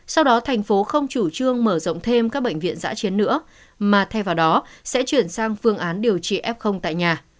sau đó thành phố không chủ trương mở rộng thêm các bệnh viện giã chiến nữa mà thay vào đó sẽ chuyển sang phương án điều trị f tại nhà